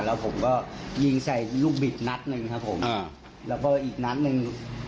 แล้วผมก็ยิงใส่ลูกบิดนัดหนึ่งครับผมอ่าแล้วก็อีกนัดหนึ่ง